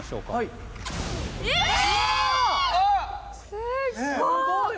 すっごい！